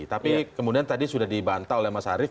tapi kemudian tadi sudah dibantah oleh mas arief